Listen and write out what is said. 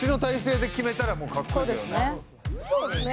そうですね。